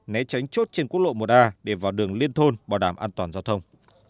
né tránh chốt trên quốc lộ một a để vào đường liên thôn bảo đảm an toàn giao thông